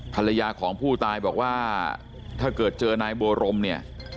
ภรรยาของผู้ตายบอกว่าถ้าเกิดเจอนายบัวรมเนี่ย